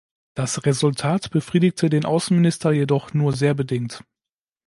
Das Resultat befriedigte den Außenminister jedoch nur sehr bedingt.